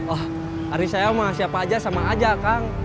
ah hari saya mah siapa aja sama aja kang